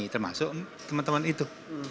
termasuk teman teman itu